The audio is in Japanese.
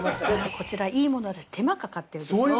こちらいいもので手間かかってるでしょう？